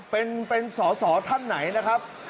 เป็นสอสอท่านไหนนะครับ